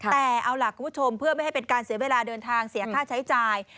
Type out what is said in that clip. แต่เอาล่ะคุณผู้ชมเพื่อไม่ให้เป็นการเสียเวลาเดินทางเสียค่าใช้จ่าย